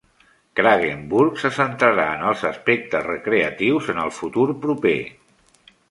Kraggenburg se centrarà en els aspectes recreatius en el futur proper.